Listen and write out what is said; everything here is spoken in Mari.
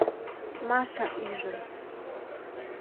— Маша ӱжын.